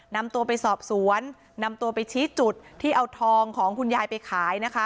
นำตัวไปสอบสวนนำตัวไปชี้จุดที่เอาทองของคุณยายไปขายนะคะ